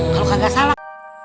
kalau kagak salah